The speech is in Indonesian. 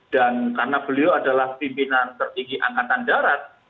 dan karena beliau adalah pimpinan tertinggi angkatan darat